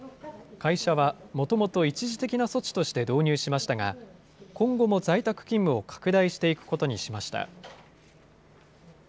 会社はもともと一時的な措置として導入しましたが、今後も在宅勤務を拡大していくことにしました。